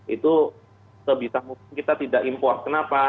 itu sebisa mungkin kita tidak impor kenapa